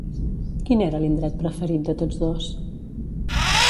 Quin era l'indret preferit de tots dos?